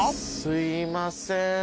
すいません。